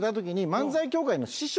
漫才協会の師匠。